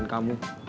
enggak mau beb